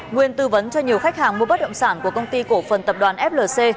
nguyên tư vấn cho nhiều khách hàng mua bất động sản của công ty cổ phần tập đoàn flc